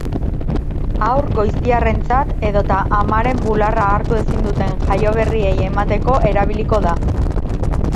Haur goiztiarrentzat, edota amaren bularra hartu ezin duten jaioberriei emateko erabiliko da.